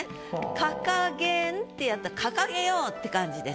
「掲げん」ってやったら掲げようって感じです。